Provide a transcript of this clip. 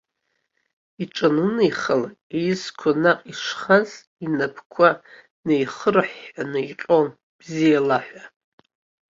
Иҿанынеихалак, изқәа наҟ ишхаз инапқәа неихырҳәҳәан иҟьон, бзиала ҳәа.